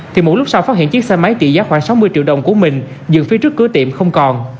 thì mỗi lúc sau phát hiện chiếc xe máy trị giá khoảng sáu mươi triệu đồng của mình dựng phía trước cửa tiệm không còn